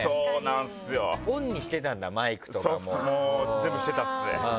全部してたっすね。